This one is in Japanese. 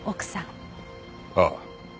ああ。